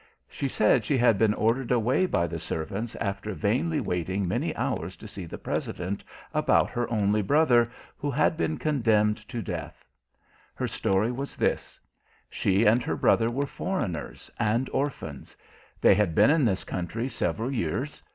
She said she had been ordered away by the servants after vainly waiting many hours to see the President about her only brother, who had been condemned to death. Her story was this: She and her brother were foreigners, and orphans. They had been in this country several years.